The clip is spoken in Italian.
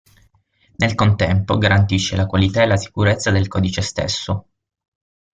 Nel contempo, garantisce la qualità e la sicurezza del codice stesso.